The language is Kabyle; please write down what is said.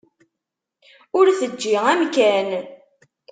Ur teǧǧi amkan.